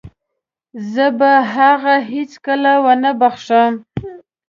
زه به هغه هيڅکله ونه وبښم.